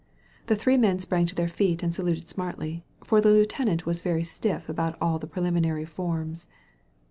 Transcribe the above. The three men sprang to their feet and saluted smartly, for the lieutenant was very stiff about all the pre liminary forms.